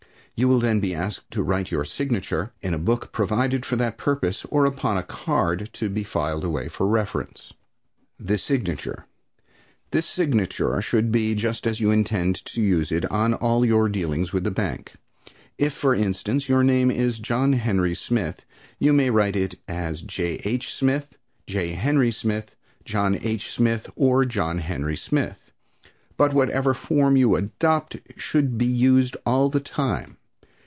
You will then be asked to write your signature in a book provided for that purpose, or upon a card to be filed away for reference. The Signature. This signature should be just as you intend to use it in all your dealings with the bank. If, for instance, your name is John Henry Smith, you may write it J. H. Smith, J. Henry Smith. John H. Smith or John Henry Smith, but whatever form you adopt should be used all the time.